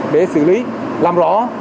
để xử lý làm rõ